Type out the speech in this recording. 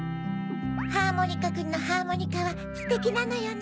ハーモニカくんのハーモニカはステキなのよね。